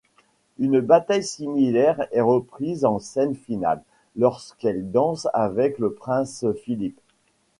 Une bataille similaire est reprise en scène finale, lorsqu'elle danse avec le prince Philippe.